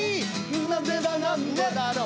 「なんでだなんでだろう」